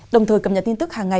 đồng thời cập nhật tin tức hàng ngày